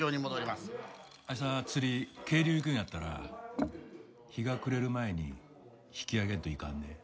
明日釣り渓流行くんやったら日が暮れる前に引き揚げんといかんで。